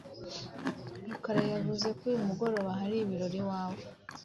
Rukara yavuze ko uyu mugoroba hari ibirori iwawe.